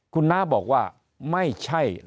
คุณน้าบอกว่าไม่ใช่